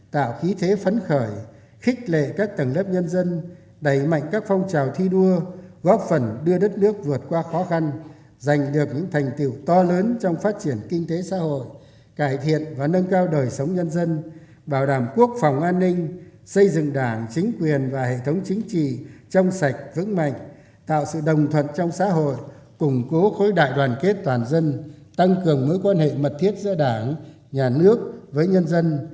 tạo khí thế phấn khởi khích lệ các tầng lớp nhân dân đẩy mạnh các phong trào thi đua góp phần đưa đất nước vượt qua khó khăn giành được những thành tiệu to lớn trong phát triển kinh tế xã hội cải thiện và nâng cao đời sống nhân dân bảo đảm quốc phòng an ninh xây dựng đảng chính quyền và hệ thống chính trị trong sạch vững mạnh tạo sự đồng thuận trong xã hội củng cố khối đại đoàn kết toàn dân tăng cường mối quan hệ mật thiết giữa đảng nhà nước với nhân dân